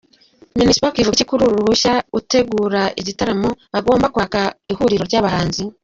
Minispoc ivuga iki kuri uru ruhushya utegura igitaramo agomba kwaka ihuriro ry’abahanzi ?.